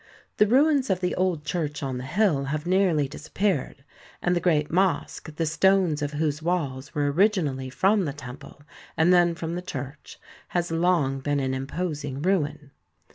The ruins of the old church on the hill have nearly disappeared, and the great mosque, the stones of whose walls were originally from the temple, and then from the church, has long been an imposing ruin.